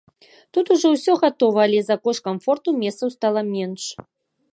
Тут ужо ўсё гатова, але за кошт камфорту месцаў стала менш.